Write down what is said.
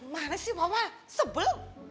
mana sih mama sebel